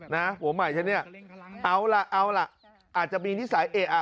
ผัวใหม่ฉันเนี่ยเอาล่ะเอาล่ะอาจจะมีนิสัยเอ๊ะอ่ะ